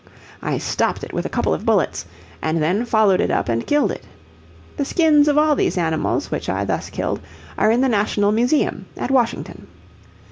I stopped it with a couple of bullets, and then followed it up and killed it. The skins of all these animals which I thus killed are in the National Museum at Washington.